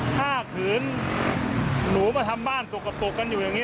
ถ้าขืนหนูมาทำบ้านสกปกกันอยู่อย่างนี้